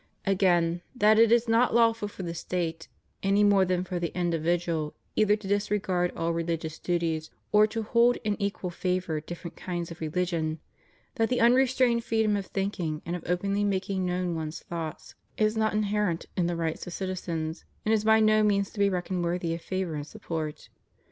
Again, that it is not lawful for the State, any more than for the individual, either to disregard all religious duties or to hold in equal favor different kinds of religion; that the unrestrained freedom of thinking and of openly making known one's thoughts is not inherent in the rights of citizens, and is by no means to be reckoned worthy of favor and support.